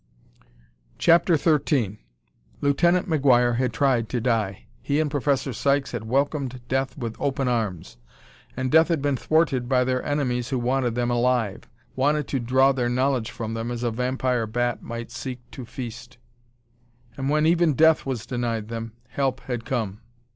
CHAPTER XIII Lieutenant McGuire had tried to die. He and Professor Sykes had welcomed death with open arms, and death had been thwarted by their enemies who wanted them alive wanted to draw their knowledge from them as a vampire bat might seek to feast. And, when even death was denied them, help had come.